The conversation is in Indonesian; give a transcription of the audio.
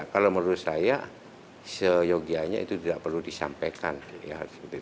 kalau menurut saya seyogianya itu tidak perlu disampaikan